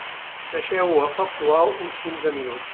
Deixeu-ho a foc suau uns quinze minuts.